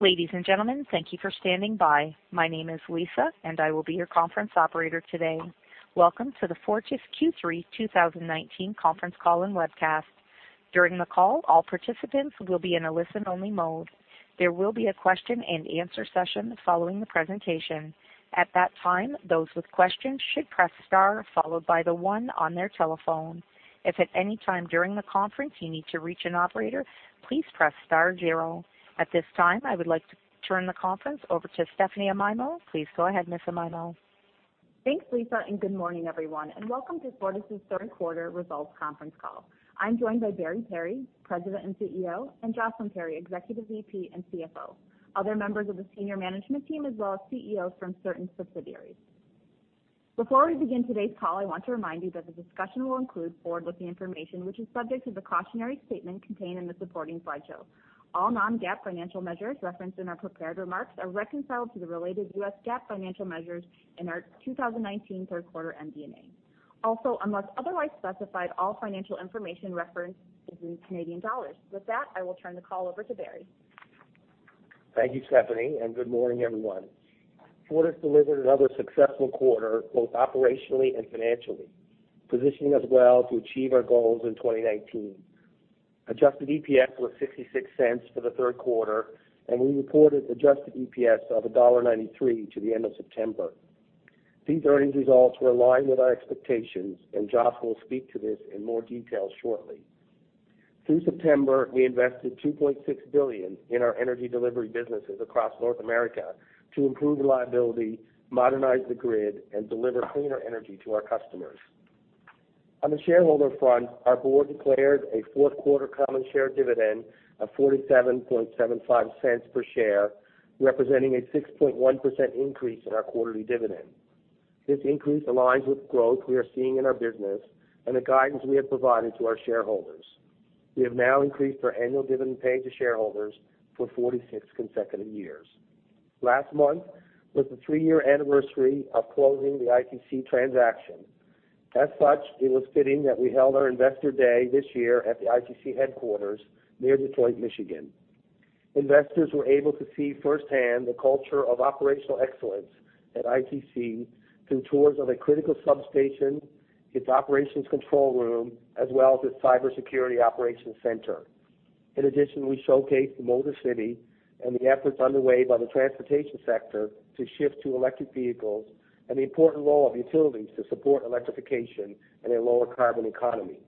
Ladies and gentlemen, thank you for standing by. My name is Lisa and I will be your conference operator today. Welcome to the Fortis Q3 2019 conference call and webcast. During the call, all participants will be in a listen-only mode. There will be a question-and-answer session following the presentation. At that time, those with questions should press star followed by the one on their telephone. If at any time during the conference you need to reach an operator, please press star zero. At this time, I would like to turn the conference over to Stephanie Amaimo. Please go ahead, Miss Amaimo. Thanks, Lisa. Good morning, everyone, and welcome to Fortis' third quarter results conference call. I'm joined by Barry Perry, President and Chief Executive Officer, and Jocelyn Perry, Executive Vice President, Chief Financial Officer, other members of the senior management team, as well as CEOs from certain subsidiaries. Before we begin today's call, I want to remind you that the discussion will include forward-looking information, which is subject to the cautionary statement contained in the supporting slideshow. All non-GAAP financial measures referenced in our prepared remarks are reconciled to the related US GAAP financial measures in our 2019 third-quarter MD&A. Unless otherwise specified, all financial information referenced is in CAD. With that, I will turn the call over to Barry. Thank you, Stephanie. Good morning, everyone. Fortis delivered another successful quarter, both operationally and financially, positioning us well to achieve our goals in 2019. Adjusted EPS was 0.66 for the third quarter, and we reported adjusted EPS of dollar 1.93 to the end of September. These earnings results were in line with our expectations, and Jocelyn will speak to this in more detail shortly. Through September, we invested 2.6 billion in our energy delivery businesses across North America to improve reliability, modernize the grid, and deliver cleaner energy to our customers. On the shareholder front, our board declared a fourth-quarter common share dividend of 0.4775 per share, representing a 6.1% increase in our quarterly dividend. This increase aligns with growth we are seeing in our business and the guidance we have provided to our shareholders. We have now increased our annual dividend pay to shareholders for 46 consecutive years. Last month was the three-year anniversary of closing the ITC transaction. As such, it was fitting that we held our Investor Day this year at the ITC headquarters near Detroit, Michigan. Investors were able to see firsthand the culture of operational excellence at ITC through tours of a critical substation, its operations control room, as well as its cybersecurity operations center. In addition, we showcased the Motor City and the efforts underway by the transportation sector to shift to electric vehicles and the important role of utilities to support electrification and a lower-carbon economy.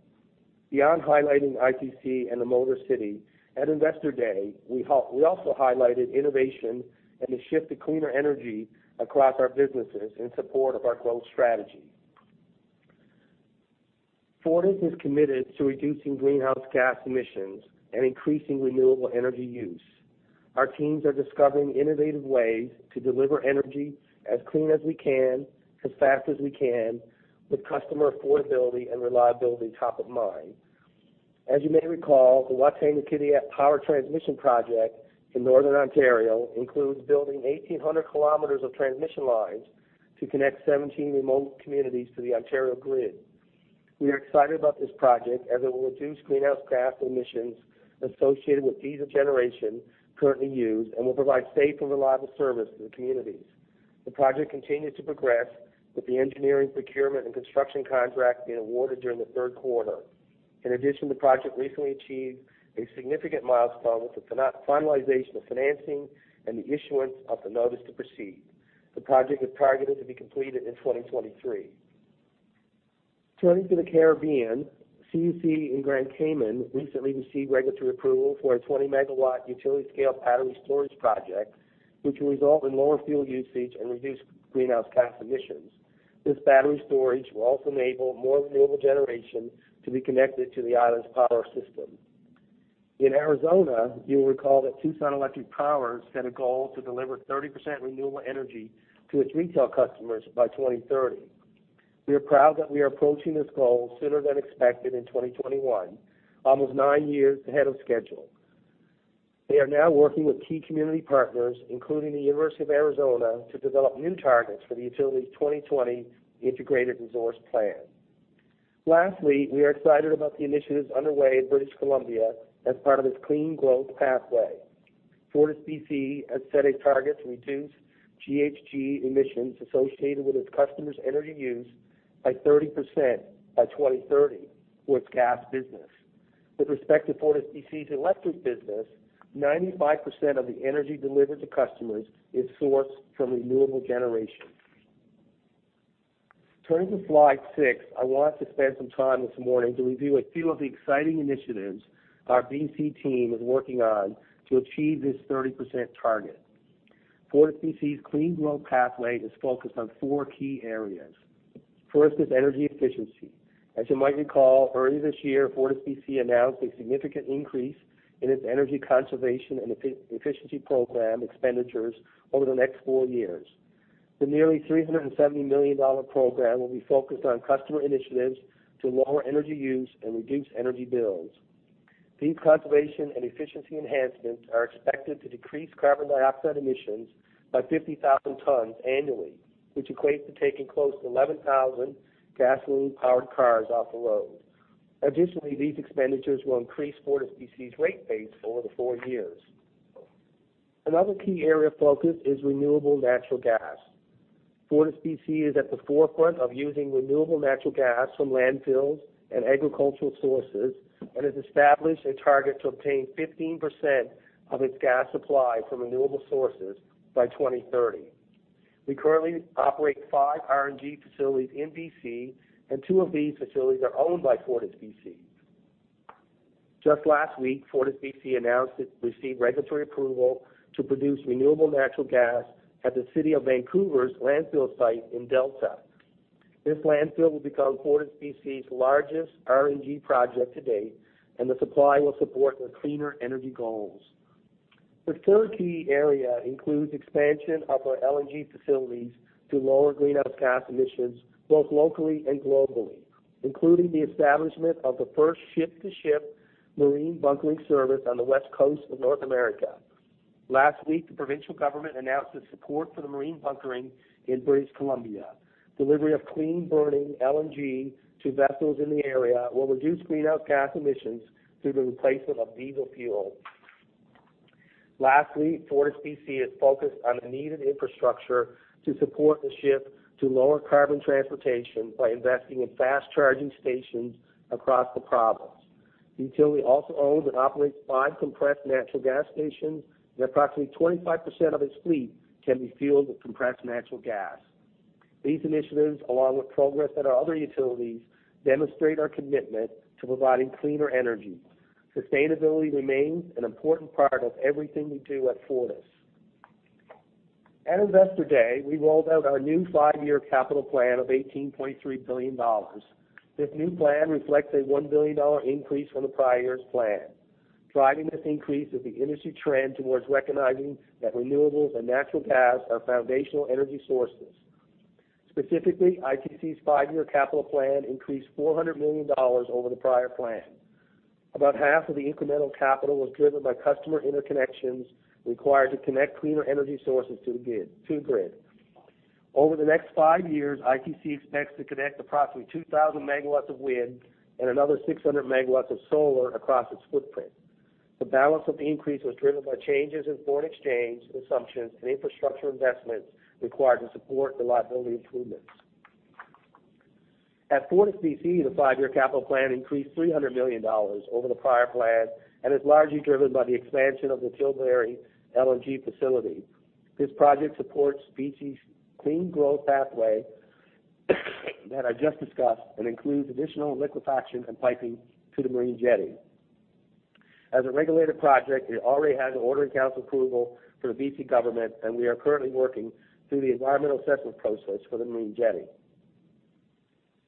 Beyond highlighting ITC and the Motor City at Investor Day, we also highlighted innovation and the shift to cleaner energy across our businesses in support of our growth strategy. Fortis is committed to reducing greenhouse gas emissions and increasing renewable energy use. Our teams are discovering innovative ways to deliver energy as clean as we can, as fast as we can, with customer affordability and reliability top of mind. As you may recall, the Wataynikaneyap Power Transmission Project in northern Ontario includes building 1,800 km of transmission lines to connect 17 remote communities to the Ontario grid. We are excited about this project as it will reduce greenhouse gas emissions associated with diesel generation currently used and will provide safe and reliable service to the communities. The project continues to progress with the engineering, procurement, and construction contract being awarded during the third quarter. The project recently achieved a significant milestone with the finalization of financing and the issuance of the notice to proceed. The project is targeted to be completed in 2023. Turning to the Caribbean, CUC in Grand Cayman recently received regulatory approval for a 20-megawatt utility-scale battery storage project, which will result in lower fuel usage and reduced greenhouse gas emissions. This battery storage will also enable more renewable generation to be connected to the island's power system. In Arizona, you will recall that Tucson Electric Power set a goal to deliver 30% renewable energy to its retail customers by 2030. We are proud that we are approaching this goal sooner than expected in 2021, almost nine years ahead of schedule. They are now working with key community partners, including the University of Arizona, to develop new targets for the utility's 2020 Integrated Resource Plan. Lastly, we are excited about the initiatives underway in British Columbia as part of its Clean Growth Pathway. FortisBC has set a target to reduce GHG emissions associated with its customers' energy use by 30% by 2030 for its gas business. With respect to FortisBC's electric business, 95% of the energy delivered to customers is sourced from renewable generation. Turning to slide six, I want to spend some time this morning to review a few of the exciting initiatives our BC team is working on to achieve this 30% target. FortisBC's Clean Growth Pathway is focused on four key areas. First is energy efficiency. As you might recall, earlier this year, FortisBC announced a significant increase in its energy conservation and efficiency program expenditures over the next four years. The nearly 370 million dollar program will be focused on customer initiatives to lower energy use and reduce energy bills. These conservation and efficiency enhancements are expected to decrease carbon dioxide emissions by 50,000 tons annually, which equates to taking close to 11,000 gasoline-powered cars off the road. Additionally, these expenditures will increase FortisBC's rate base over the four years. Another key area of focus is renewable natural gas. FortisBC is at the forefront of using renewable natural gas from landfills and agricultural sources and has established a target to obtain 15% of its gas supply from renewable sources by 2030. We currently operate five RNG facilities in B.C., and two of these facilities are owned by FortisBC. Just last week, FortisBC announced it received regulatory approval to produce renewable natural gas at the City of Vancouver's landfill site in Delta. This landfill will become FortisBC's largest RNG project to date, and the supply will support their cleaner energy goals. The third key area includes expansion of our LNG facilities to lower greenhouse gas emissions both locally and globally, including the establishment of the first ship-to-ship marine bunkering service on the West Coast of North America. Last week, the provincial government announced its support for the marine bunkering in British Columbia. Delivery of clean-burning LNG to vessels in the area will reduce greenhouse gas emissions through the replacement of diesel fuel. Lastly, FortisBC is focused on the needed infrastructure to support the shift to lower-carbon transportation by investing in fast-charging stations across the province. The utility also owns and operates five compressed natural gas stations, and approximately 25% of its fleet can be fueled with compressed natural gas. These initiatives, along with progress at our other utilities, demonstrate our commitment to providing cleaner energy. Sustainability remains an important part of everything we do at Fortis. At Investor Day, we rolled out our new five-year capital plan of 18.3 billion dollars. This new plan reflects a 1 billion dollar increase from the prior year's plan. Driving this increase is the industry trend towards recognizing that renewables and natural gas are foundational energy sources. Specifically, ITC's five-year capital plan increased 400 million dollars over the prior plan. About half of the incremental capital was driven by customer interconnections required to connect cleaner energy sources to the grid. Over the next five years, ITC expects to connect approximately 2,000 megawatts of wind and another 600 megawatts of solar across its footprint. The balance of the increase was driven by changes in foreign exchange assumptions and infrastructure investments required to support reliability improvements. At FortisBC, the five-year capital plan increased 300 million dollars over the prior plan and is largely driven by the expansion of the Tilbury LNG facility. This project supports B.C.'s Clean Growth Pathway that I just discussed and includes additional liquefaction and piping to the marine jetty. As a regulated project, it already has Order-in-Council approval from the B.C. government. We are currently working through the environmental assessment process for the marine jetty.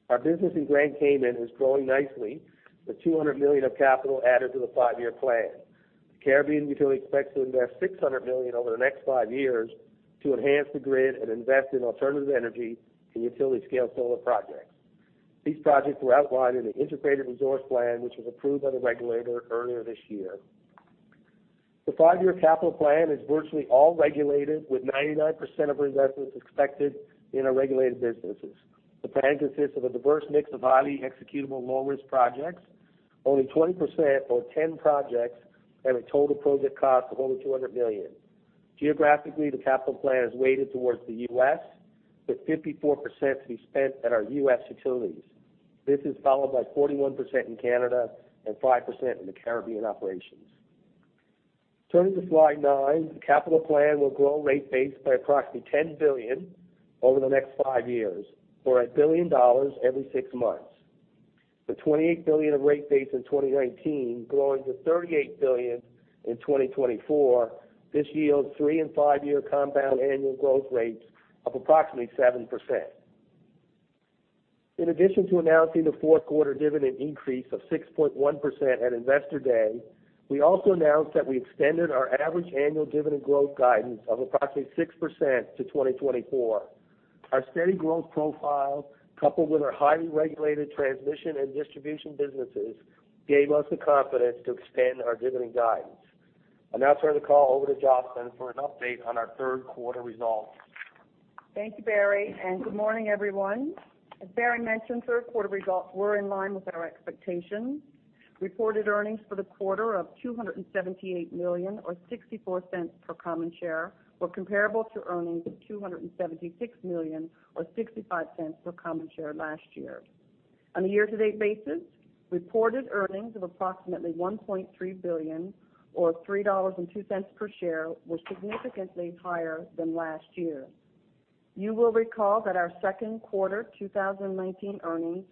Our business in Grand Cayman is growing nicely, with 200 million of capital added to the 5-year plan. The Caribbean utility expects to invest 600 million over the next 5 years to enhance the grid and invest in alternative energy and utility-scale solar projects. These projects were outlined in an Integrated Resource Plan, which was approved by the regulator earlier this year. The 5-year capital plan is virtually all regulated, with 99% of our investments expected in our regulated businesses. The plan consists of a diverse mix of highly executable, low-risk projects. Only 20%, or 10 projects, have a total project cost of only 200 million. Geographically, the capital plan is weighted towards the U.S., with 54% to be spent at our U.S. utilities. This is followed by 41% in Canada and 5% in the Caribbean operations. Turning to slide nine, the capital plan will grow rate base by approximately 10 billion over the next five years, or 1 billion dollars every six months. The 28 billion of rate base in 2019 growing to 38 billion in 2024, this yields three- and five-year compound annual growth rates of approximately 7%. In addition to announcing the fourth-quarter dividend increase of 6.1% at Investor Day, we also announced that we extended our average annual dividend growth guidance of approximately 6% to 2024. Our steady growth profile, coupled with our highly regulated transmission and distribution businesses, gave us the confidence to extend our dividend guidance. I'll now turn the call over to Jocelyn for an update on our third-quarter results. Thank you, Barry. Good morning, everyone. As Barry mentioned, third-quarter results were in line with our expectations. Reported earnings for the quarter of 278 million, or 0.64 per common share, were comparable to earnings of 276 million, or 0.65 per common share, last year. On a year-to-date basis, reported earnings of approximately 1.3 billion, or 3.02 dollars per share, were significantly higher than last year. You will recall that our second quarter 2019 earnings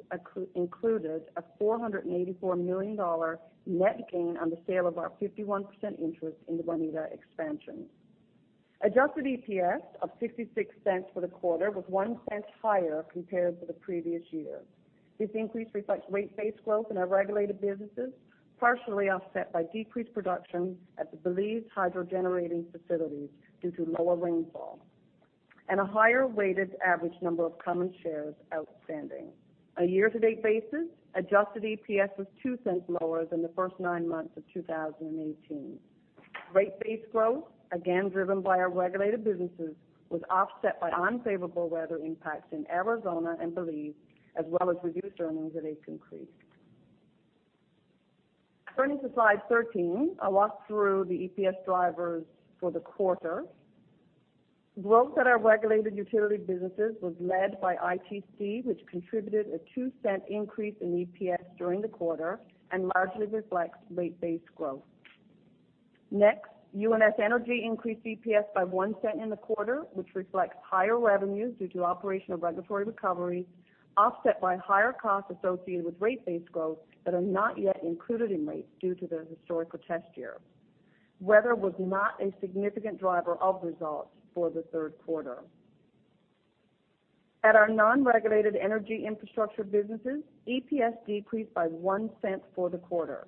included a 484 million dollar net gain on the sale of our 51% interest in the Waneta Expansion. Adjusted EPS of 0.66 for the quarter was 0.01 higher compared to the previous year. This increase reflects rate base growth in our regulated businesses, partially offset by decreased production at the Belize hydro generating facilities due to lower rainfall and a higher weighted average number of common shares outstanding. On a year-to-date basis, adjusted EPS was 0.02 lower than the first nine months of 2018. Rate base growth, again driven by our regulated businesses, was offset by unfavorable weather impacts in Arizona and Belize, as well as reduced earnings at Aitken Creek. Turning to slide 13, I'll walk through the EPS drivers for the quarter. Growth at our regulated utility businesses was led by ITC, which contributed a 0.02 increase in EPS during the quarter and largely reflects rate base growth. Next, UNS Energy increased EPS by 0.01 in the quarter, which reflects higher revenues due to operation of regulatory recoveries, offset by higher costs associated with rate base growth that are not yet included in rates due to their historical test year. Weather was not a significant driver of results for the third quarter. At our non-regulated energy infrastructure businesses, EPS decreased by 0.01 for the quarter.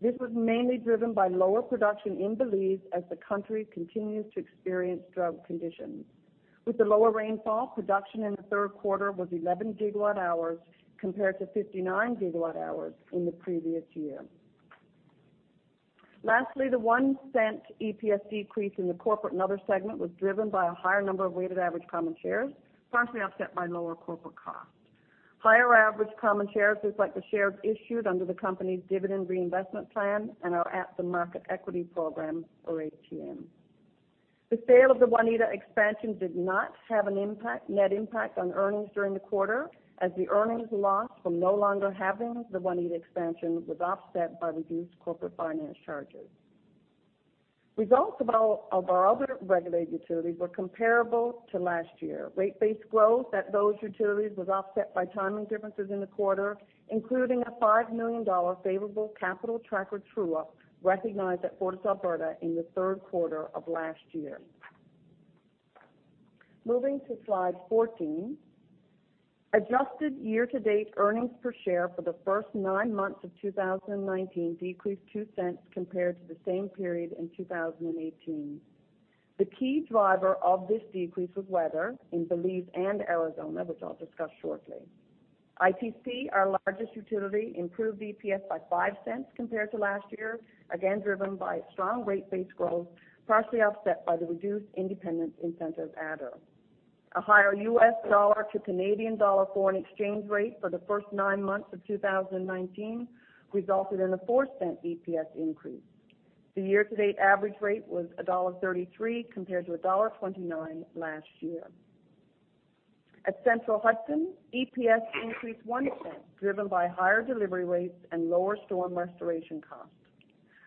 This was mainly driven by lower production in Belize as the country continues to experience drought conditions. With the lower rainfall, production in the third quarter was 11 gigawatt hours compared to 59 gigawatt hours in the previous year. Lastly, the 0.01 EPS decrease in the corporate and other segment was driven by a higher number of weighted average common shares, partially offset by lower corporate costs. Higher average common shares reflect the shares issued under the company's dividend reinvestment plan and our At-the-Market Equity Program or ATM. The sale of the Waneta Expansion did not have a net impact on earnings during the quarter, as the earnings lost from no longer having the Waneta Expansion was offset by reduced corporate finance charges. Results of our other regulated utilities were comparable to last year. Rate base growth at those utilities was offset by timing differences in the quarter, including a 5 million dollar favorable capital tracker true-up recognized at FortisAlberta in the third quarter of last year. Moving to slide 14. Adjusted year-to-date earnings per share for the first nine months of 2019 decreased 0.02 compared to the same period in 2018. The key driver of this decrease was weather in Belize and Arizona, which I'll discuss shortly. ITC, our largest utility, improved EPS by 0.05 compared to last year, again driven by strong rate base growth, partially offset by the reduced independence adder. A higher U.S. dollar to Canadian dollar foreign exchange rate for the first nine months of 2019 resulted in a 0.04 EPS increase. The year-to-date average rate was 1.33 compared to 1.29 last year. At Central Hudson, EPS increased 0.01, driven by higher delivery rates and lower storm restoration costs.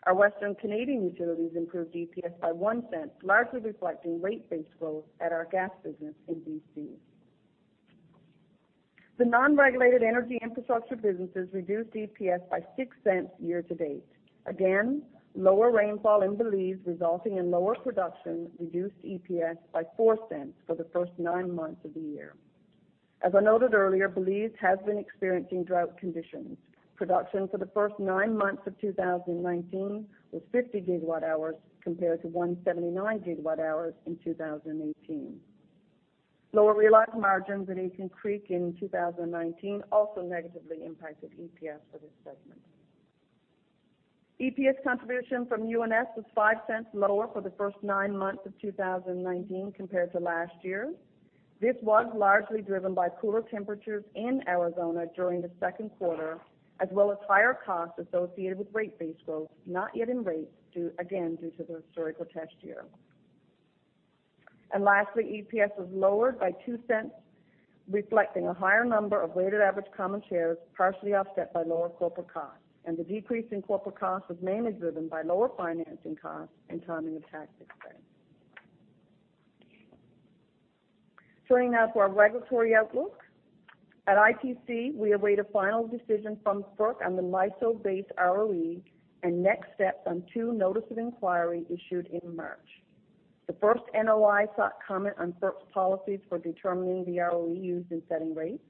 Our Western Canadian utilities improved EPS by 0.01, largely reflecting rate base growth at our gas business in BC. The non-regulated energy infrastructure businesses reduced EPS by 0.06 year-to-date. Lower rainfall in Belize resulting in lower production reduced EPS by 0.04 for the first nine months of the year. As I noted earlier, Belize has been experiencing drought conditions. Production for the first nine months of 2019 was 50 gigawatt hours compared to 179 gigawatt hours in 2018. Lower realized margins at Aitken Creek in 2019 also negatively impacted EPS for this segment. EPS contribution from UNS was 0.05 lower for the first nine months of 2019 compared to last year. This was largely driven by cooler temperatures in Arizona during the second quarter, as well as higher costs associated with rate base growth, not yet in rates, again, due to the historical test year. Lastly, EPS was lowered by 0.02, reflecting a higher number of weighted average common shares, partially offset by lower corporate costs. The decrease in corporate costs was mainly driven by lower financing costs and timing of tax expense. Turning now to our regulatory outlook. At ITC, we await a final decision from FERC on the MISO base ROE and next steps on two notice of inquiry issued in March. The first NOI sought comment on FERC's policies for determining the ROE used in setting rates,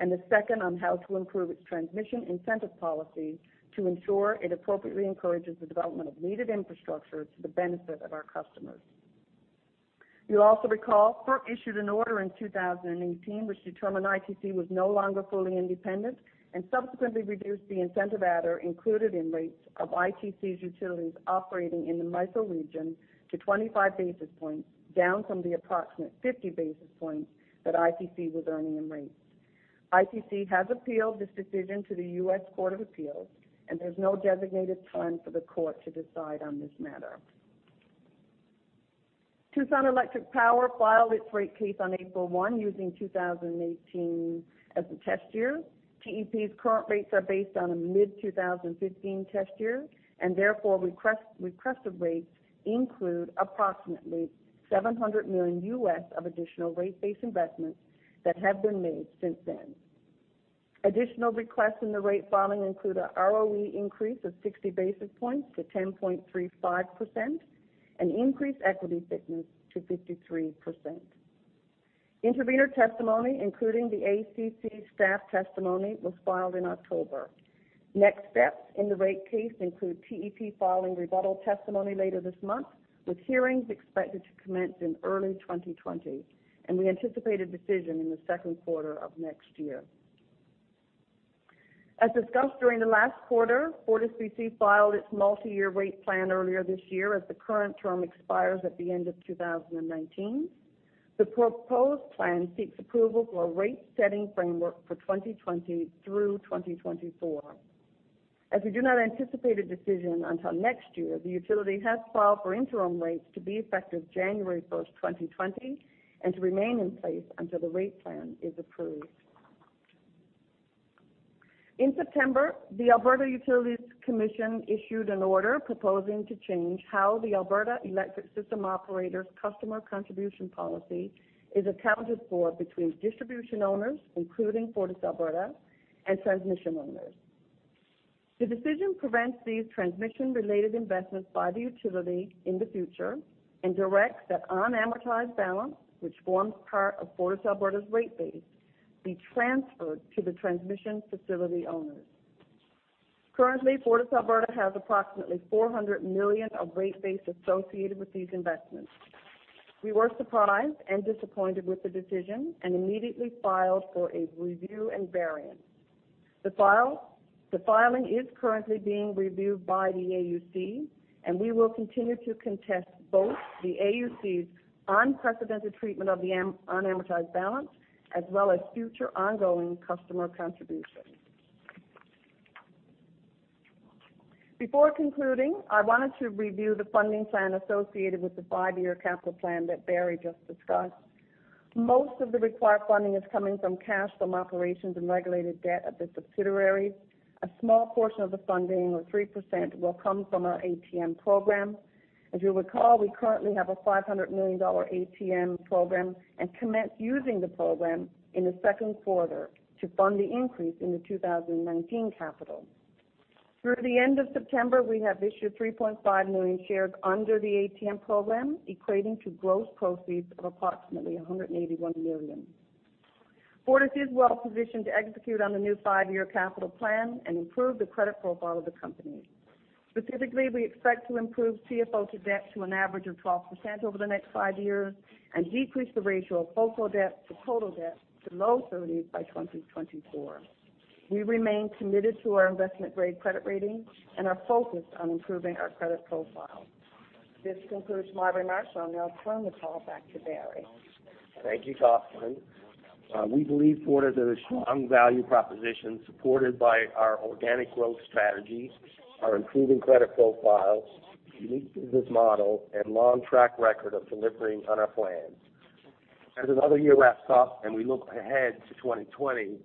and the second on how to improve its transmission incentive policies to ensure it appropriately encourages the development of needed infrastructure to the benefit of our customers. You'll also recall, FERC issued an order in 2018, which determined ITC was no longer fully independent and subsequently reduced the incentive adder included in rates of ITC's utilities operating in the MISO region to 25 basis points, down from the approximate 50 basis points that ITC was earning in rates. ITC has appealed this decision to the U.S. Court of Appeals, There's no designated time for the court to decide on this matter. Tucson Electric Power filed its rate case on April 1 using 2018 as the test year. TEP's current rates are based on a mid-2015 test year, Therefore, requested rates include approximately $700 million of additional rate base investments that have been made since then. Additional requests in the rate filing include an ROE increase of 60 basis points to 10.35% and increased equity thickness to 53%. Intervenor testimony, including the ACC staff testimony, was filed in October. Next steps in the rate case include TEP filing rebuttal testimony later this month, with hearings expected to commence in early 2020, and we anticipate a decision in the second quarter of next year. As discussed during the last quarter, FortisBC filed its multi-year rate plan earlier this year as the current term expires at the end of 2019. The proposed plan seeks approval for a rate-setting framework for 2020 through 2024. As we do not anticipate a decision until next year, the utility has filed for interim rates to be effective January 1st, 2020, and to remain in place until the rate plan is approved. In September, the Alberta Utilities Commission issued an order proposing to change how the Alberta Electric System Operator customer contribution policy is accounted for between distribution owners, including FortisAlberta, and transmission owners. The decision prevents these transmission-related investments by the utility in the future and directs that unamortized balance, which forms part of FortisAlberta's rate base, be transferred to the transmission facility owners. Currently, FortisAlberta has approximately 400 million of rate base associated with these investments. We were surprised and disappointed with the decision and immediately filed for a review and variance. The filing is currently being reviewed by the AUC. We will continue to contest both the AUC's unprecedented treatment of the unamortized balance, as well as future ongoing customer contributions. Before concluding, I wanted to review the funding plan associated with the five-year capital plan that Barry just discussed. Most of the required funding is coming from cash from operations and regulated debt at the subsidiaries. A small portion of the funding, or 3%, will come from our ATM program. As you'll recall, we currently have a 500 million dollar ATM program and commenced using the program in the second quarter to fund the increase in the 2019 capital. Through the end of September, we have issued 3.5 million shares under the ATM program, equating to gross proceeds of approximately 181 million. Fortis is well-positioned to execute on the new five-year capital plan and improve the credit profile of the company. Specifically, we expect to improve CFO to debt to an average of 12% over the next five years and decrease the ratio of holdco debt to total debt to low 30s by 2024. We remain committed to our investment-grade credit rating and are focused on improving our credit profile. This concludes my remarks, so I'll now turn the call back to Barry. Thank you, Jocelyn. We believe Fortis is a strong value proposition supported by our organic growth strategies, our improving credit profiles, unique business model, and long track record of delivering on our plans. As another year wraps up and we look ahead to 2020,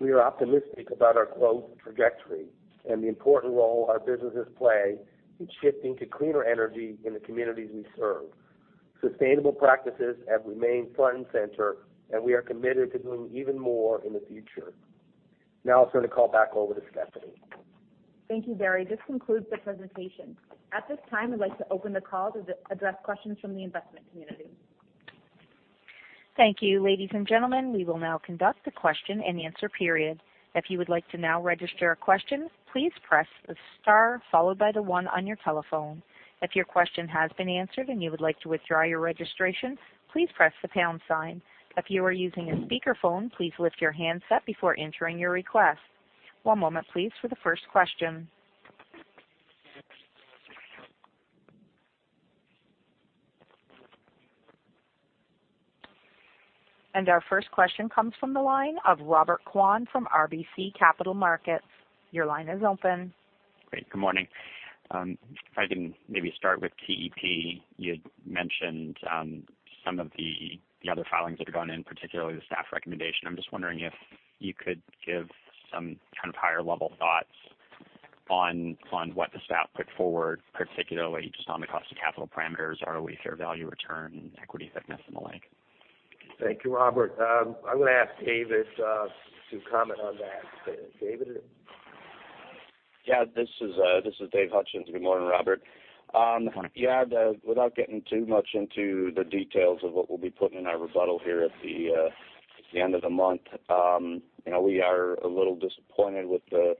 we are optimistic about our growth trajectory and the important role our businesses play in shifting to cleaner energy in the communities we serve. Sustainable practices have remained front and center, and we are committed to doing even more in the future. Now I'll turn the call back over to Stephanie. Thank you, Barry. This concludes the presentation. At this time, I'd like to open the call to address questions from the investment community. Thank you, ladies and gentlemen. We will now conduct the question and answer period. If you would like to now register a question, please press the star followed by the one on your telephone. If your question has been answered and you would like to withdraw your registration, please press the pound sign. If you are using a speakerphone, please lift your handset before entering your request. One moment, please, for the first question. Our first question comes from the line of Robert Kwan from RBC Capital Markets. Your line is open. Great. Good morning. If I can maybe start with TEP. You had mentioned some of the other filings that have gone in, particularly the staff recommendation. I'm just wondering if you could give some kind of higher-level thoughts on what the staff put forward, particularly just on the cost of capital parameters, ROE, fair value return, equity thickness, and the like. Thank you, Robert. I'm going to ask David to comment on that. David? Yeah. This is David Hutchens. Good morning, Robert. Good morning. Yeah. Without getting too much into the details of what we'll be putting in our rebuttal here at the end of the month, we are a little disappointed with the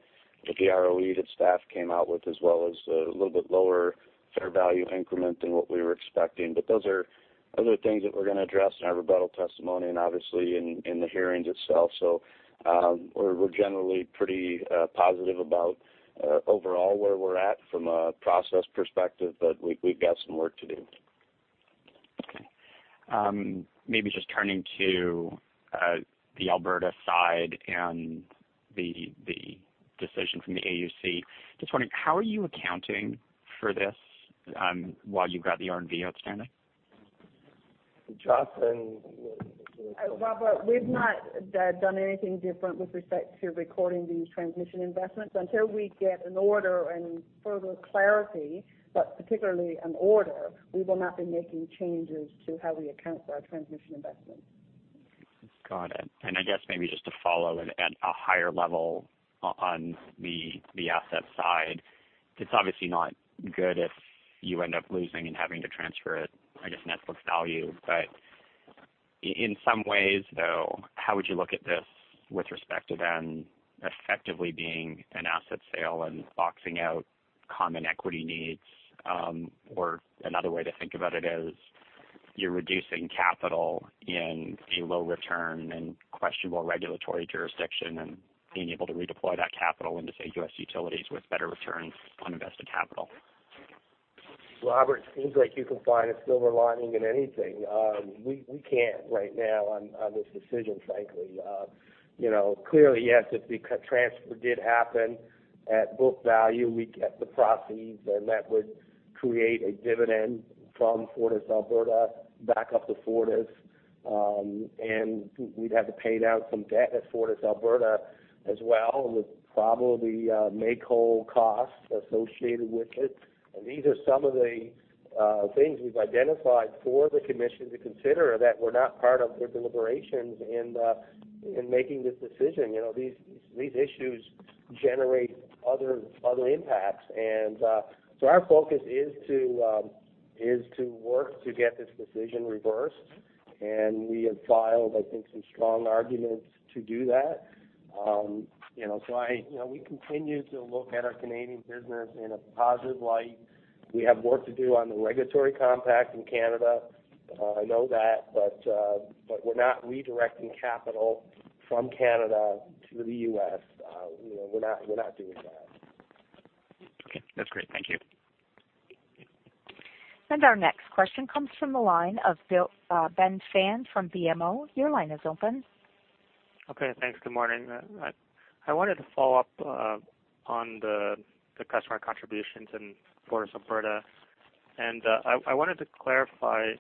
ROE that staff came out with, as well as a little bit lower fair value increment than what we were expecting. Those are things that we're going to address in our rebuttal testimony and obviously in the hearings itself. We're generally pretty positive about overall where we're at from a process perspective, but we've got some work to do. Okay. Maybe just turning to the Alberta side and the decision from the AUC, just wondering, how are you accounting for this while you've got the RNV outstanding? Jocelyn? Robert, we've not done anything different with respect to recording these transmission investments. Until we get an order and further clarity, but particularly an order, we will not be making changes to how we account for our transmission investments. Got it. I guess maybe just to follow at a higher level on the asset side, it's obviously not good if you end up losing and having to transfer it, I guess, net book value. In some ways, though, how would you look at this with respect to then effectively being an asset sale and boxing out common equity needs? Another way to think about it is you're reducing capital in a low return and questionable regulatory jurisdiction and being able to redeploy that capital into, say, U.S. utilities with better returns on invested capital. Robert, it seems like you can find a silver lining in anything. We can't right now on this decision, frankly. Clearly, yes, if the transfer did happen at book value, we'd get the proceeds, and that would create a dividend from FortisAlberta back up to Fortis. We'd have to pay down some debt at FortisAlberta as well, with probably make-whole costs associated with it. These are some of the things we've identified for the commission to consider that were not part of their deliberations in making this decision. These issues generate other impacts. Our focus is to work to get this decision reversed. We have filed, I think, some strong arguments to do that. We continue to look at our Canadian business in a positive light. We have work to do on the regulatory compact in Canada. I know that, but we're not redirecting capital from Canada to the U.S. We're not doing that. Okay. That's great. Thank you. Our next question comes from the line of Ben Pham from BMO. Your line is open. Okay. Thanks. Good morning. I wanted to follow up on the customer contributions in FortisAlberta. I wanted to clarify,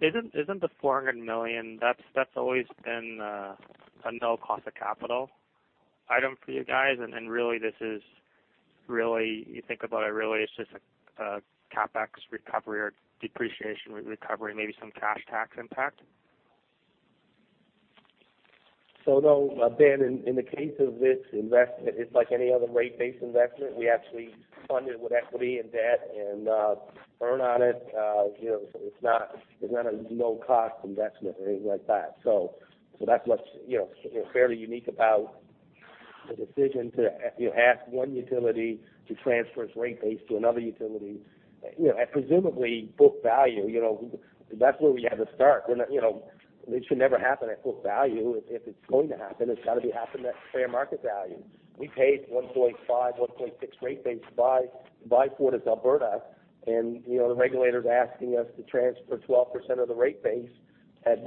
isn't the 400 million, that's always been a no-cost of capital item for you guys? Really this is, you think about it, really it's just a CapEx recovery or depreciation recovery, maybe some cash tax impact? No, Ben Pham, in the case of this investment, it's like any other rate-based investment. We actually fund it with equity and debt and earn on it. It's not a no-cost investment or anything like that. That's what's fairly unique about the decision to ask one utility to transfer its rate base to another utility at presumably book value. That's where we had to start. It should never happen at book value. If it's going to happen, it's got to be happen at fair market value. We paid 1.5, 1.6 rate base to buy FortisAlberta, and the regulator's asking us to transfer 12% of the rate base at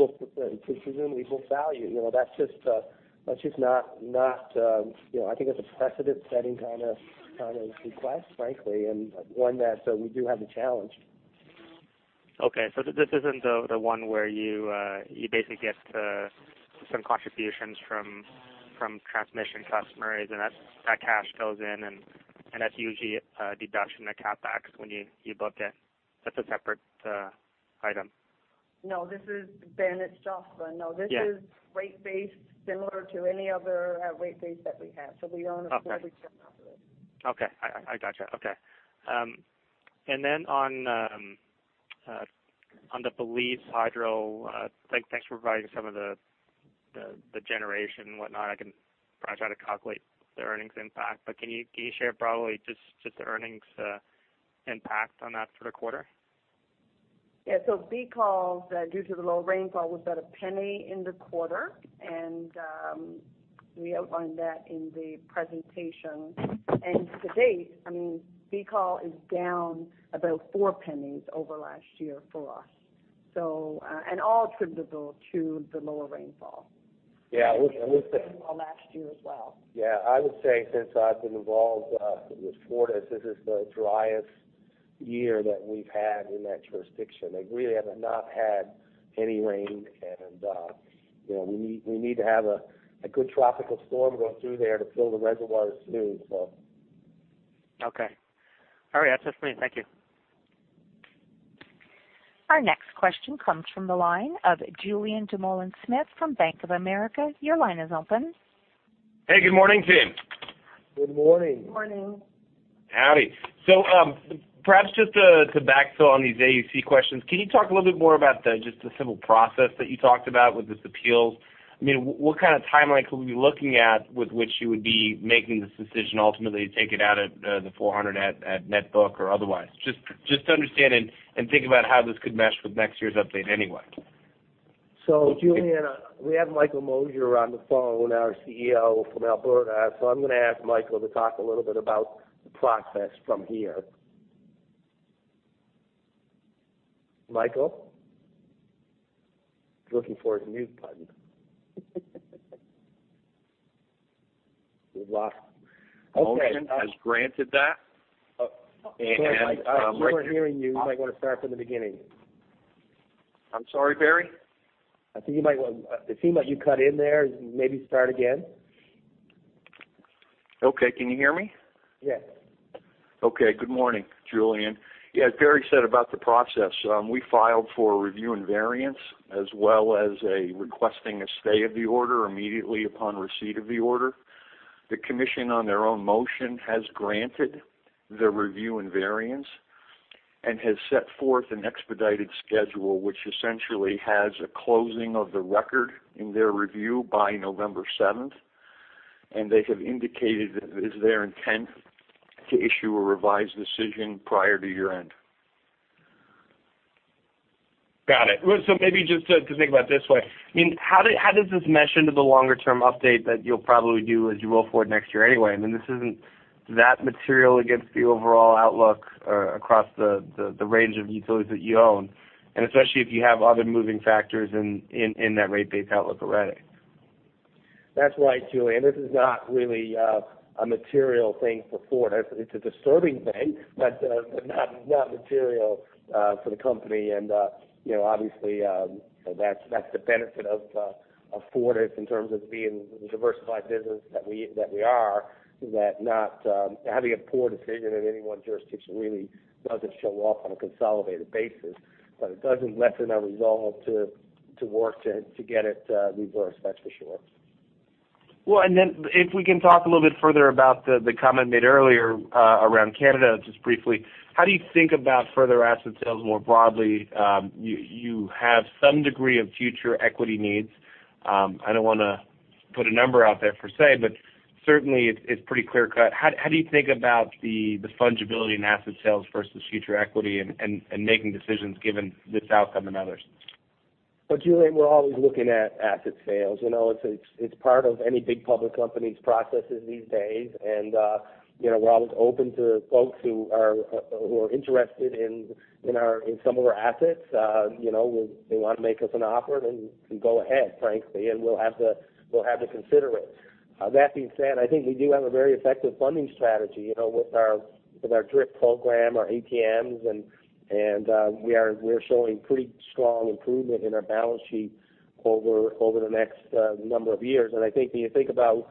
presumably book value. That's just not I think it's a precedent-setting kind of request, frankly, and one that we do have to challenge. Okay, this isn't the one where you basically get some contributions from transmission customers, and that cash goes in, and that's usually a deduction of CapEx when you book it. That's a separate item. No. Ben, it's Jocelyn. Yeah. No, this is rate base similar to any other rate base that we have. We don't exclude it. Okay. I gotcha. Okay. Then on the Belize hydro, thanks for providing some of the generation and whatnot. I can probably try to calculate the earnings impact. Can you share probably just the earnings impact on that for the quarter? Yeah. BECOL, due to the low rainfall, was about CAD 0.01 in the quarter. We outlined that in the presentation. To date, BECOL is down about 0.04 over last year for us, and all attributable to the lower rainfall. Yeah. I would say. Last year as well. Yeah. I would say since I've been involved with Fortis, this is the driest year that we've had in that jurisdiction. They really have not had any rain, and we need to have a good tropical storm go through there to fill the reservoirs soon. Okay. All right. That's just me. Thank you. Our next question comes from the line of Julien Dumoulin-Smith from Bank of America. Your line is open. Hey, good morning, team. Good morning. Morning. Howdy. Perhaps just to backfill on these AUC questions, can you talk a little bit more about just the civil process that you talked about with this appeal? What kind of timeline could we be looking at with which you would be making this decision ultimately to take it out at the 400 at net book or otherwise? Just to understand and think about how this could mesh with next year's update anyway. Julien, we have Michael Mosher on the phone, our CEO from Alberta. I'm going to ask Michael to talk a little bit about the process from here. Michael? He's looking for his mute button. We lost him. Motion has granted that. Sorry, Mike. We weren't hearing you. Might want to start from the beginning. I'm sorry, Barry? I think you might want. It seemed like you cut in there. Maybe start again. Okay. Can you hear me? Yes. Okay. Good morning, Julien. Yeah, as Barry said about the process, we filed for a review and variance, as well as a requesting a stay of the order immediately upon receipt of the order. The commission on their own motion has granted the review and variance and has set forth an expedited schedule, which essentially has a closing of the record in their review by November 7th. They have indicated that it is their intent to issue a revised decision prior to year-end. Got it. Maybe just to think about it this way. How does this mesh into the longer-term update that you'll probably do as you will for next year anyway? This isn't that material against the overall outlook, across the range of utilities that you own, and especially if you have other moving factors in that rate-based outlook already. That's right, Julien. This is not really a material thing for Fortis. It's a disturbing thing, but not material for the company. Obviously, that's the benefit of Fortis in terms of being the diversified business that we are, is that having a poor decision in any one jurisdiction really doesn't show up on a consolidated basis, but it doesn't lessen our resolve to work to get it reversed, that's for sure. Well, if we can talk a little bit further about the comment made earlier around Canada, just briefly, how do you think about further asset sales more broadly? You have some degree of future equity needs. I don't want to put a number out there per se, but certainly it's pretty clear-cut. How do you think about the fungibility in asset sales versus future equity and making decisions given this outcome and others? Well, Julien, we're always looking at asset sales. It's part of any big public company's processes these days. We're always open to folks who are interested in some of our assets. If they want to make us an offer, then go ahead, frankly, and we'll have to consider it. That being said, I think we do have a very effective funding strategy with our DRIP program, our ATMs, and we're showing pretty strong improvement in our balance sheet over the next number of years. I think when you think about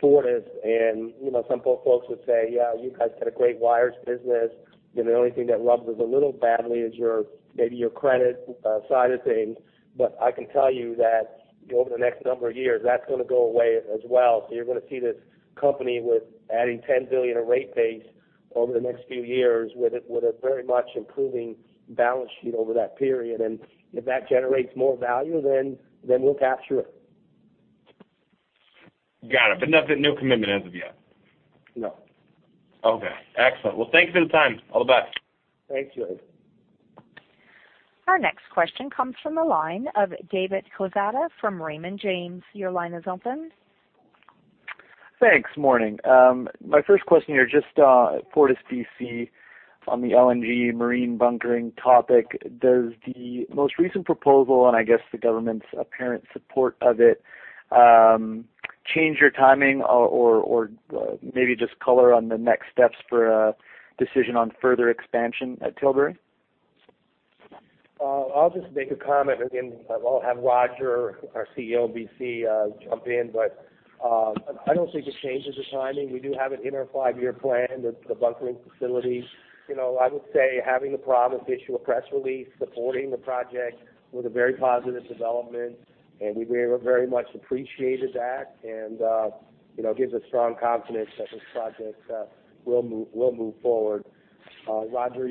Fortis, and some folks would say, "Yeah, you guys got a great wires business." The only thing that rubs us a little badly is maybe your credit side of things. I can tell you that over the next number of years, that's going to go away as well. You're going to see this company with adding 10 billion in rate base over the next few years with a very much improving balance sheet over that period. If that generates more value, then we'll capture it. Got it. No commitment as of yet? No. Okay. Excellent. Well, thank you for the time. All the best. Thanks, Julien. Our next question comes from the line of David Quezada from Raymond James. Your line is open. Thanks. Morning. My first question here, just FortisBC on the LNG marine bunkering topic. Does the most recent proposal, and I guess the government's apparent support of it, change your timing or maybe just color on the next steps for a decision on further expansion at Tilbury? I'll just make a comment. Again, I'll have Roger, our CEO of BC, jump in. I don't think it changes the timing. We do have it in our five-year plan, the bunkering facility. I would say having the province issue a press release supporting the project was a very positive development, and we very much appreciated that, and gives us strong confidence that this project will move forward. Roger,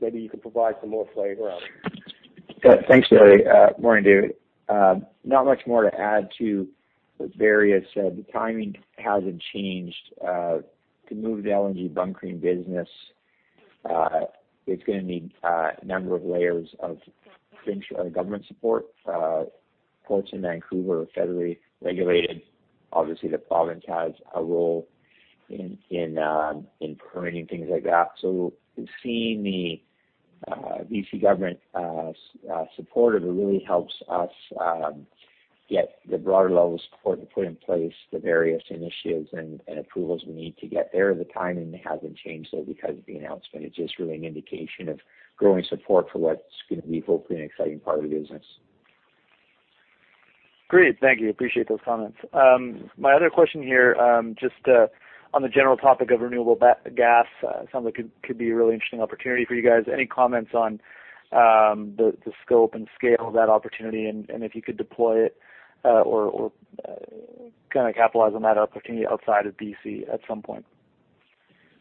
maybe you can provide some more flavor on it. Thanks, Barry. Morning, David. Not much more to add to what Barry has said. The timing hasn't changed. To move the LNG bunkering business, it's going to need a number of layers of provincial government support. Port of Vancouver are federally regulated. Obviously, the province has a role in permitting things like that. Seeing the BC government supportive, it really helps us get the broader level support to put in place the various initiatives and approvals we need to get there. The timing hasn't changed, though, because of the announcement. It's just really an indication of growing support for what's going to be hopefully an exciting part of the business. Great. Thank you. Appreciate those comments. My other question here, just on the general topic of renewable gas. Sounds like it could be a really interesting opportunity for you guys. Any comments on the scope and scale of that opportunity, and if you could deploy it or capitalize on that opportunity outside of BC at some point?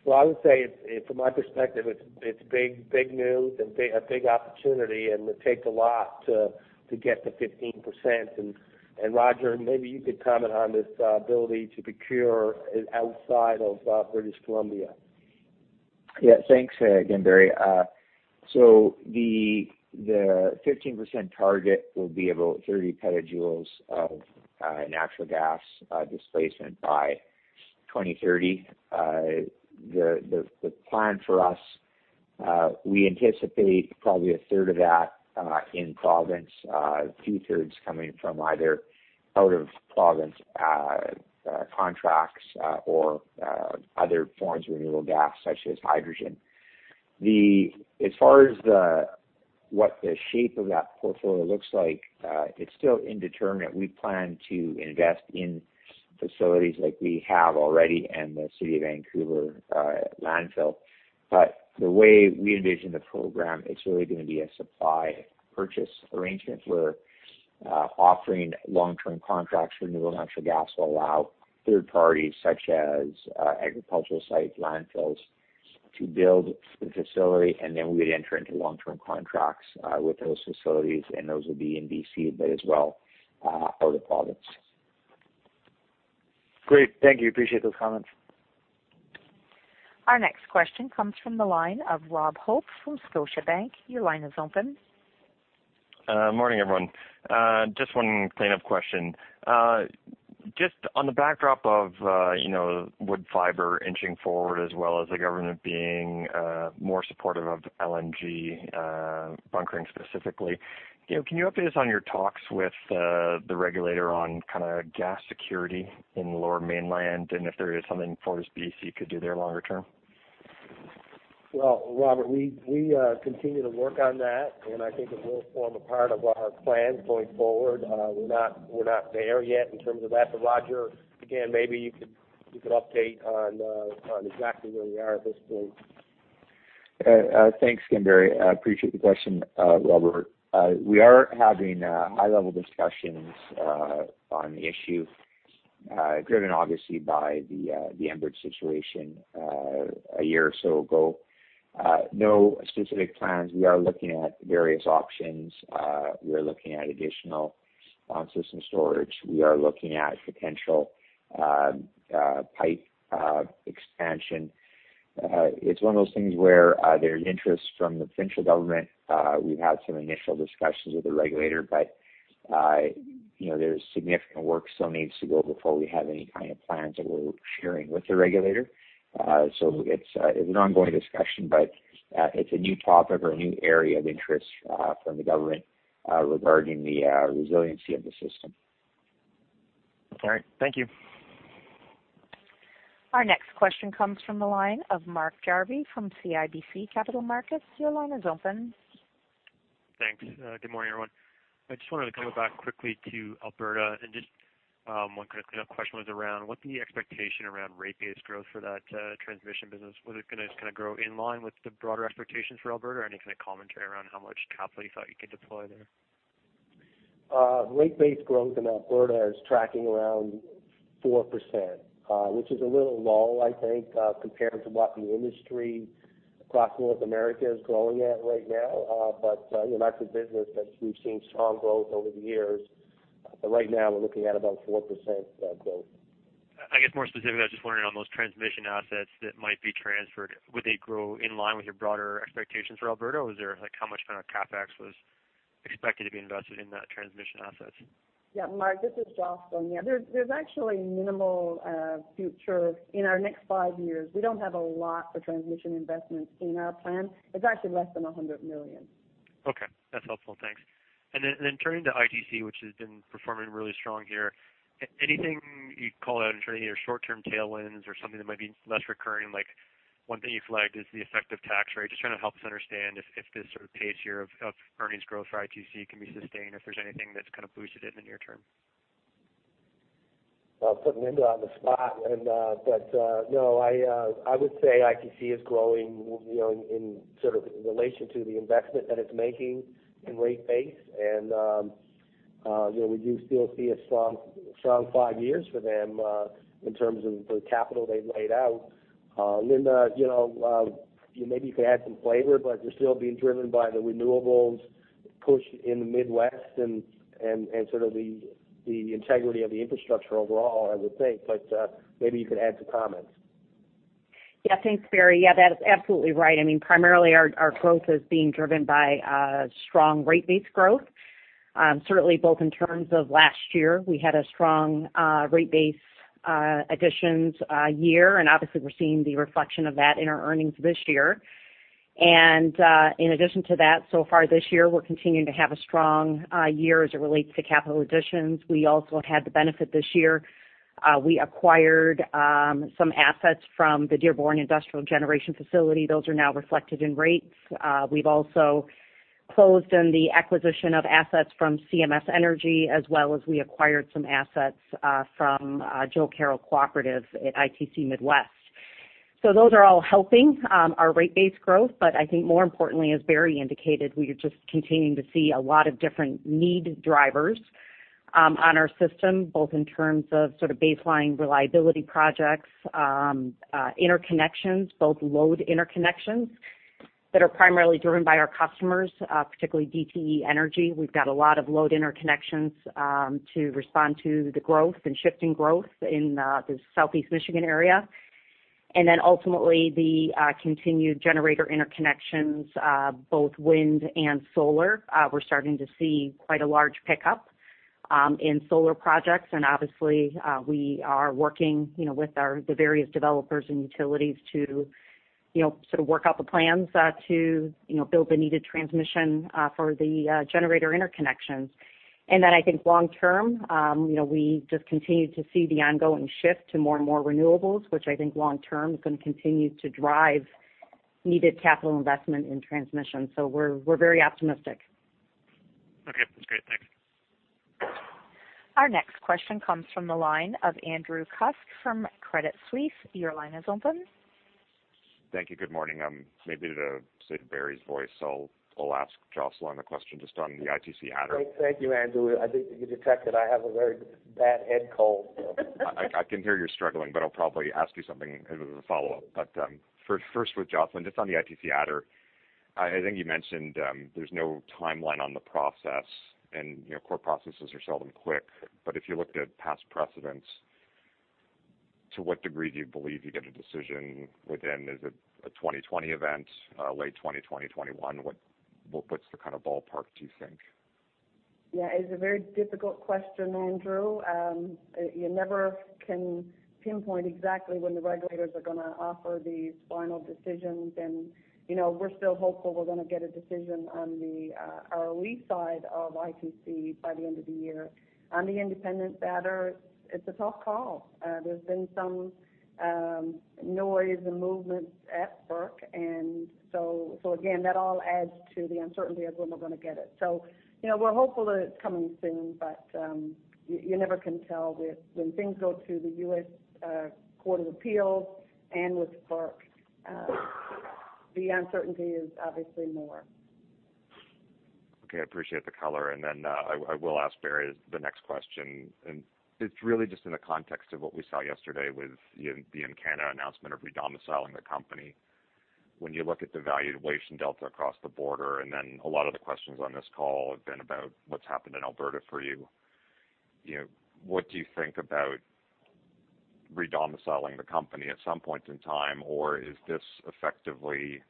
Well, I would say from my perspective, it's big news and a big opportunity, and it would take a lot to get to 15%. Roger, maybe you could comment on this ability to procure outside of British Columbia. Thanks again, Barry. The 15% target will be about 30 petajoules of natural gas displacement by 2030. The plan for us, we anticipate probably a third of that in province, two-thirds coming from either out of province contracts or other forms of renewable gas, such as hydrogen. As far as what the shape of that portfolio looks like, it's still indeterminate. We plan to invest in facilities like we have already in the city of Vancouver landfill. The way we envision the program, it's really going to be a supply purchase arrangement. We're offering long-term contracts for renewable natural gas to allow third parties, such as agricultural sites, landfills, to build the facility, and then we'd enter into long-term contracts with those facilities, and those would be in BC, but as well, out of province. Great. Thank you. Appreciate those comments. Our next question comes from the line of Robert Hope from Scotiabank. Your line is open. Morning, everyone. Just one cleanup question. Just on the backdrop of Woodfibre LNG inching forward, as well as the government being more supportive of LNG bunkering specifically. Can you update us on your talks with the regulator on gas security in the Lower Mainland and if there is something FortisBC could do there longer term? Robert, we continue to work on that, and I think it will form a part of our plan going forward. We're not there yet in terms of that, but Roger, again, maybe you could update on exactly where we are at this point. Thanks, Ken Barry. I appreciate the question, Robert. We are having high-level discussions on the issue, driven obviously by the Enbridge situation a year or so ago. No specific plans. We are looking at various options. We're looking at additional system storage. We are looking at potential pipe expansion. It's one of those things where there's interest from the provincial government. We've had some initial discussions with the regulator, but there's significant work still needs to go before we have any kind of plans that we're sharing with the regulator. It's an ongoing discussion, but it's a new topic or a new area of interest from the government regarding the resiliency of the system. All right. Thank you. Our next question comes from the line of Mark Jarvi from CIBC Capital Markets. Your line is open. Thanks. Good morning, everyone. I just wanted to come back quickly to Alberta and just one kind of cleanup question was around what the expectation around rate base growth for that transmission business. Was it going to kind of grow in line with the broader expectations for Alberta? Any kind of commentary around how much capital you thought you could deploy there? Rate base growth in Alberta is tracking around 4%, which is a little low, I think, compared to what the industry across North America is growing at right now. That's a business that we've seen strong growth over the years. Right now, we're looking at about 4% growth. I guess more specifically, I was just wondering on those transmission assets that might be transferred, would they grow in line with your broader expectations for Alberta? How much kind of CapEx was expected to be invested in that transmission assets? Yeah, Mark, this is Jocelyn. Yeah, there's actually minimal future in our next five years. We don't have a lot for transmission investments in our plan. It's actually less than 100 million. Okay. That's helpful. Thanks. Turning to ITC, which has been performing really strong here. Anything you'd call out in terms of either short-term tailwinds or something that might be less recurring, like one thing you flagged is the effective tax rate. Just trying to help us understand if this sort of pace here of earnings growth for ITC can be sustained, if there's anything that's kind of boosted in the near term. Putting Linda on the spot. No, I would say ITC is growing in sort of relation to the investment that it's making in rate base. We do still see a strong five years for them in terms of the capital they've laid out. Linda, maybe you could add some flavor. They're still being driven by the renewables push in the Midwest and sort of the integrity of the infrastructure overall, I would think. Maybe you could add some comments. Thanks, Barry. That is absolutely right. I mean, primarily our growth is being driven by strong rate base growth. Certainly both in terms of last year, we had a strong rate base additions year, obviously we're seeing the reflection of that in our earnings this year. In addition to that, so far this year, we're continuing to have a strong year as it relates to capital additions. We also have had the benefit this year. We acquired some assets from the Dearborn Industrial Generation facility. Those are now reflected in rates. We've also closed on the acquisition of assets from CMS Energy, as well as we acquired some assets from Jo-Carroll Energy at ITC Midwest. Those are all helping our rate base growth. I think more importantly, as Barry indicated, we are just continuing to see a lot of different need drivers on our system, both in terms of sort of baseline reliability projects, interconnections, both load interconnections that are primarily driven by our customers, particularly DTE Energy. We've got a lot of load interconnections to respond to the growth and shifting growth in the Southeast Michigan area. Ultimately the continued generator interconnections, both wind and solar. We're starting to see quite a large pickup in solar projects, and obviously, we are working with the various developers and utilities to sort of work out the plans to build the needed transmission for the generator interconnections. I think long-term, we just continue to see the ongoing shift to more and more renewables, which I think long-term is going to continue to drive needed capital investment in transmission. We're very optimistic. Okay. That's great. Thanks. Our next question comes from the line of Andrew Kuske from Credit Suisse. Your line is open. Thank you. Good morning. Maybe to save Barry's voice, I'll ask Jocelyn a question just on the ITC adder. Thank you, Andrew. I think you detected I have a very bad head cold, so I can hear you're struggling. I'll probably ask you something as a follow-up. First with Jocelyn, just on the ITC adder. I think you mentioned there's no timeline on the process. Court processes are seldom quick. If you looked at past precedents, to what degree do you believe you get a decision within? Is it a 2020 event, late 2020, 2021? What's the kind of ballpark do you think? Yeah. It's a very difficult question, Andrew. You never can pinpoint exactly when the regulators are going to offer these final decisions. We're still hopeful we're going to get a decision on our lease side of ITC by the end of the year. On the independence adder, it's a tough call. There's been some noise and movement at FERC, and so again, that all adds to the uncertainty of when we're going to get it. We're hopeful that it's coming soon, but you never can tell. When things go to the U.S. Court of Appeals and with FERC, the uncertainty is obviously more. I appreciate the color, I will ask Barry the next question. It's really just in the context of what we saw yesterday with the Encana announcement of redomiciling the company. When you look at the valuation delta across the border, a lot of the questions on this call have been about what's happened in Alberta for you. What do you think about redomiciling the company at some point in time? Is this effectively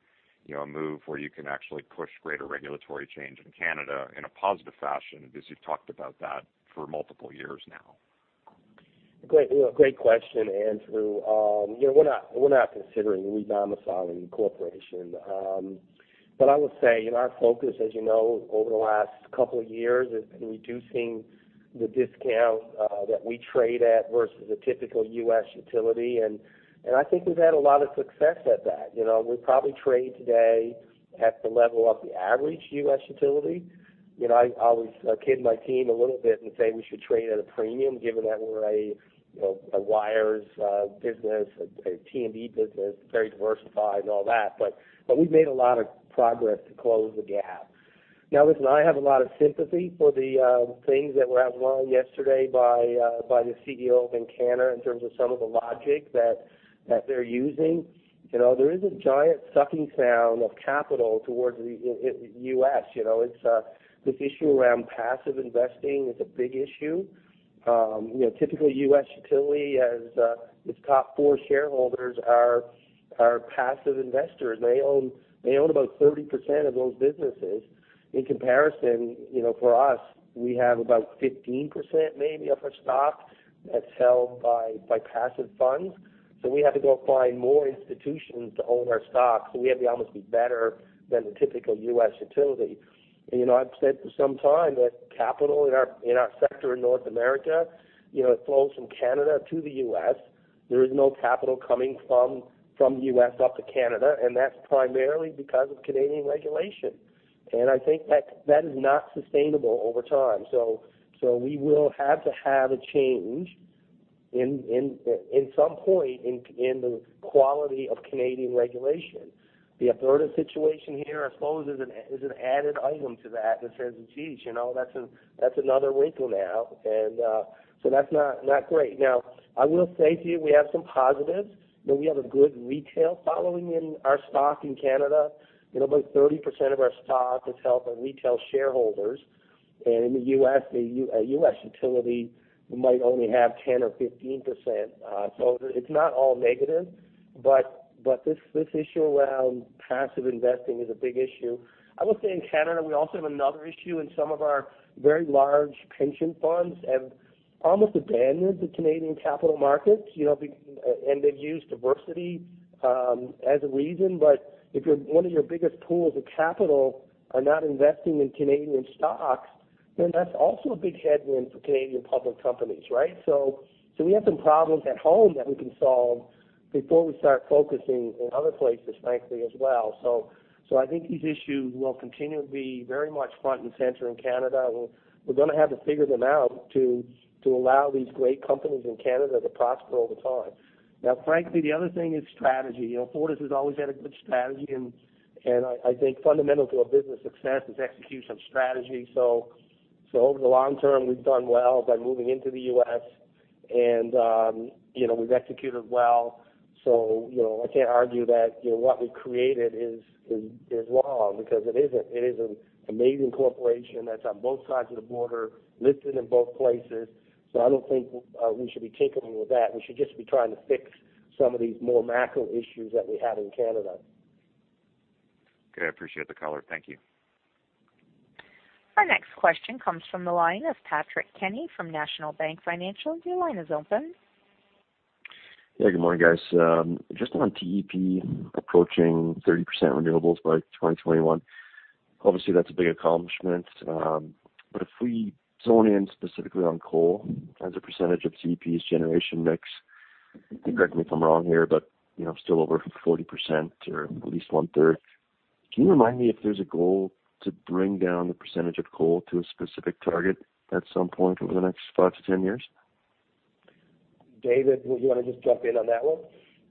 a move where you can actually push greater regulatory change in Canada in a positive fashion, because you've talked about that for multiple years now? Great question, Andrew Kuske. We're not considering redomiciling the corporation. I would say our focus, as you know, over the last couple of years, has been reducing the discount that we trade at versus a typical U.S. utility, and I think we've had a lot of success at that. We probably trade today at the level of the average U.S. utility. I always kid my team a little bit and say we should trade at a premium given that we're a wires business, a T&D business, very diversified and all that. We've made a lot of progress to close the gap. Now, listen, I have a lot of sympathy for the things that were outlined yesterday by the CEO of Encana in terms of some of the logic that they're using. There is a giant sucking sound of capital towards the U.S. This issue around passive investing is a big issue. Typical U.S. utility has its top four shareholders are passive investors. They own about 30% of those businesses. In comparison, for us, we have about 15% maybe of our stock that's held by passive funds. We have to go find more institutions to own our stock. We have to almost be better than the typical U.S. utility. I've said for some time that capital in our sector in North America, it flows from Canada to the U.S. There is no capital coming from the U.S. up to Canada, and that's primarily because of Canadian regulation. I think that is not sustainable over time. We will have to have a change in some point in the quality of Canadian regulation. The Alberta situation here, I suppose, is an added item to that that says, "Geez, that's another wrinkle now." That's not great. Now, I will say to you, we have some positives. We have a good retail following in our stock in Canada. About 30% of our stock is held by retail shareholders. In the U.S., a U.S. utility might only have 10% or 15%. It's not all negative, but this issue around passive investing is a big issue. I will say in Canada, we also have another issue in some of our very large pension funds have almost abandoned the Canadian capital markets, and they've used diversity as a reason. If one of your biggest pools of capital are not investing in Canadian stocks, then that's also a big headwind for Canadian public companies, right? We have some problems at home that we can solve before we start focusing in other places, frankly, as well. I think these issues will continue to be very much front and center in Canada. We're going to have to figure them out to allow these great companies in Canada to prosper over time. Frankly, the other thing is strategy. Fortis has always had a good strategy, and I think fundamental to a business' success is execution of strategy. Over the long term, we've done well by moving into the U.S., and we've executed well. I can't argue that what we've created is wrong because it is an amazing corporation that's on both sides of the border, listed in both places. I don't think we should be tinkering with that. We should just be trying to fix some of these more macro issues that we have in Canada. Okay. I appreciate the color. Thank you. Our next question comes from the line of Patrick Kenny from National Bank Financial. Your line is open. Yeah. Good morning, guys. Just on TEP approaching 30% renewables by 2021. Obviously, that's a big accomplishment. If we zone in specifically on coal as a percentage of TEP's generation mix, correct me if I'm wrong here, but still over 40% or at least one-third. Can you remind me if there's a goal to bring down the percentage of coal to a specific target at some point over the next five to 10 years? David, would you want to just jump in on that one?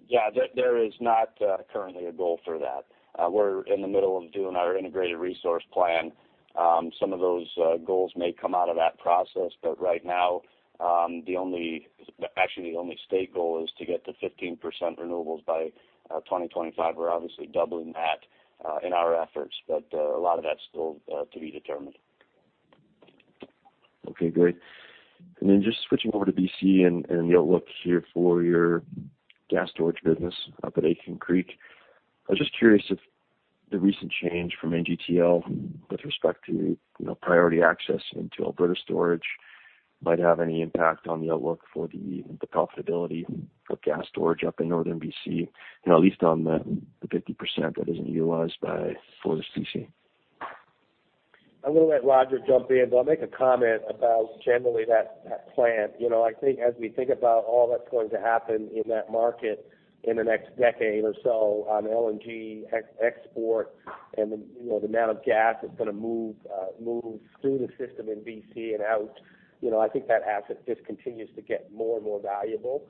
Yeah. There is not currently a goal for that. We're in the middle of doing our Integrated Resource Plan. Some of those goals may come out of that process, but right now, actually the only state goal is to get to 15% renewables by 2025. We're obviously doubling that in our efforts, but a lot of that's still to be determined. Okay, great. Just switching over to BC and the outlook here for your gas storage business up at Aitken Creek. I was just curious if the recent change from AGTL with respect to priority access into Alberta storage might have any impact on the outlook for the profitability of gas storage up in northern BC, at least on the 50% that isn't utilized by FortisBC. I'm going to let Roger jump in, but I'll make a comment about generally that plant. I think as we think about all that's going to happen in that market in the next decade or so on LNG export and the amount of gas that's going to move through the system in BC and out. I think that asset just continues to get more and more valuable,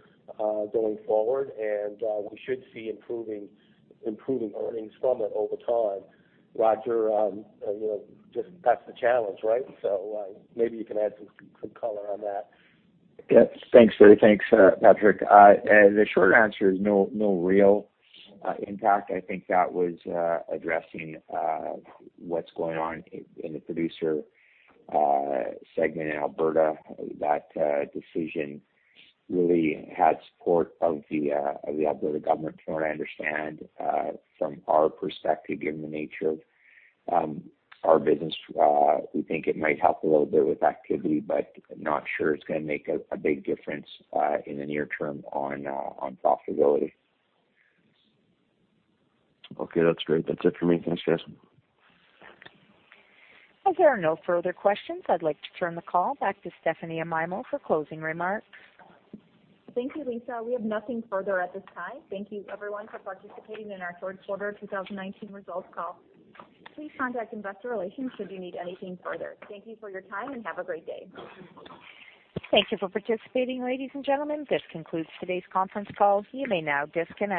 going forward. We should see improving earnings from it over time. Roger, that's the challenge, right? Maybe you can add some quick color on that. Yeah. Thanks, Patrick. The short answer is no real impact. I think that was addressing what's going on in the producer segment in Alberta. That decision really had support of the Alberta government, from what I understand. From our perspective, given the nature of our business, we think it might help a little bit with activity, but not sure it's going to make a big difference in the near term on profitability. Okay. That's great. That's it for me. Thanks, guys. As there are no further questions, I'd like to turn the call back to Stephanie Amaimo for closing remarks. Thank you, Lisa. We have nothing further at this time. Thank you everyone for participating in our fourth quarter 2019 results call. Please contact investor relations should you need anything further. Thank you for your time, and have a great day. Thank you for participating, ladies and gentlemen. This concludes today's conference call. You may now disconnect.